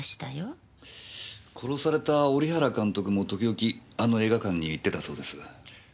殺された織原監督も時々あの映画館に行ってたそうです。